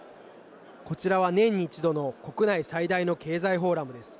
こちらは年に一度の国内最大の経済フォーラムです。